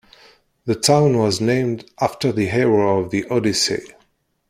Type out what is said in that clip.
The town was named after the hero of the "Odyssey".